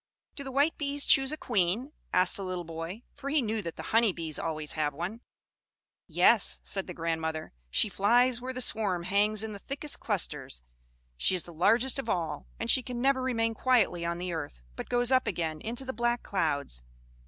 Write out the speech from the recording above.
"Do the white bees choose a queen?" asked the little boy; for he knew that the honey bees always have one. "Yes," said the grandmother, "she flies where the swarm hangs in the thickest clusters. She is the largest of all; and she can never remain quietly on the earth, but goes up again into the black clouds.